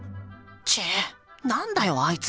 「ちぇっ、なんだよあいつら。